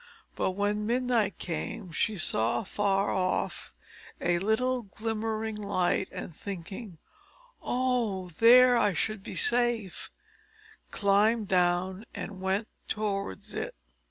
But when midnight came she saw afar off a little glimmering light, and thinking, "Oh! there I should be safe," climbed down and went towards it.